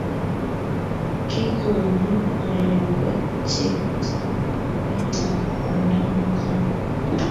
kikonu nerekwek che chang' meetab kwandang'wany